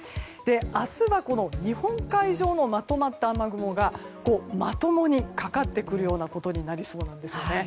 明日は日本海上のまとまった雨雲がまともにかかってくるようなことになりそうなんですね。